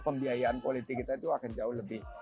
pembiayaan politik kita itu akan jauh lebih